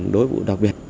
đối vụ đặc biệt